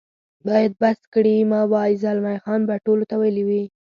باید بس کړي مې وای، زلمی خان به ټولو ته ویلي وي.